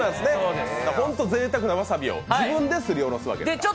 ほんとぜいたくなわさびを自分ですりおろすわけですか。